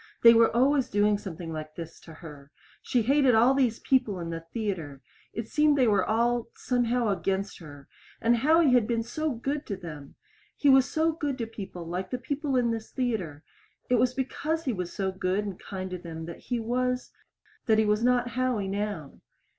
They were always doing something like this to her. She hated all these people in the theater. It seemed they were all, somehow, against her. And Howie had been so good to them! He was so good to people like the people in this theater. It was because he was so good and kind to them that he was that he was not Howie now.